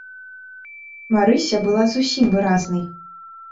Марыся была зусім выразнай.